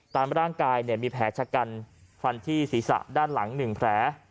ตามร่างกายมีแผลชะกันฟันที่ศีรษะด้านหลัง๑แผล